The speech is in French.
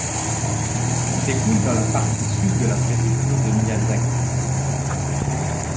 Il s'écoule dans la partie sud de la préfecture de Miyazaki.